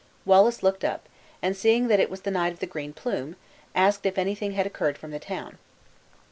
Wallace looked up, and seeing that it was the Knight of the Green Plume, asked if anything had occurred from the town.